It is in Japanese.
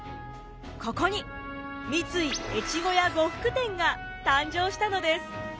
ここに三井越後屋呉服店が誕生したのです。